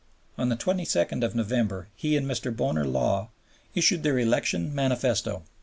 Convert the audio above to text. On the 22nd of November he and Mr. Bonar Law issued their Election Manifesto.